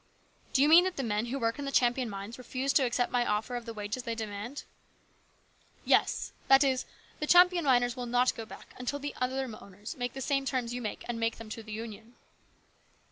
"Do you mean that the men who work in the Champion mines refuse to accept my offer of the wages they demand?" " Yes ; that is, the Champion miners will not go back until the other owners make the same terms you make and make them to the Union."